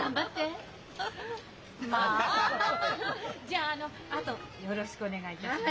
じゃああの後をよろしくお願いいたします。